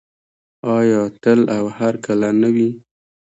آیا تل او هرکله نه وي؟